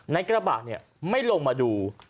ในกระบะไม่ลงมาดู